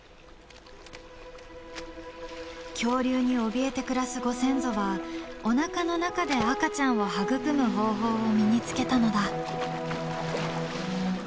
恐竜におびえて暮らすご先祖はおなかの中で赤ちゃんを育む方法を身につけたのだ。